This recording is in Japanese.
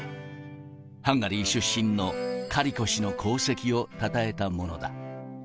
ハンガリー出身のカリコ氏の功績をたたえたものだ。